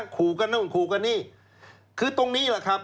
ขู่กันนู่นขู่กันนี่คือตรงนี้แหละครับ